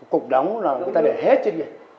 cục đóng là người ta để hết trên đây